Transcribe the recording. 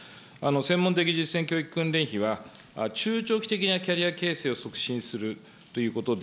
専門的実践教育訓練費は、中長期的なキャリア形成を促進するということで、